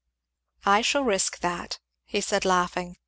"I shall risk that," he said laughing.